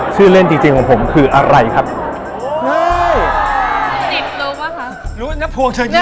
ชื่อเล่นจริงจริงของผมคืออะไรครับนิดรู้ป่ะคะรู้น้องพวงเชิญยิ้ม